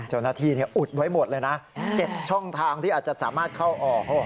เจ้าหน้าที่อุดไว้หมดเลยนะ๗ช่องทางที่อาจจะสามารถเข้าออก